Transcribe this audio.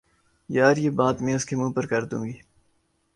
یار، یہ بات میں اس کے منہ پر کہ دوں گی